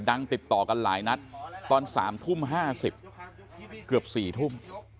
ติดต่อกันหลายนัดตอน๓ทุ่ม๕๐เกือบ๔ทุ่ม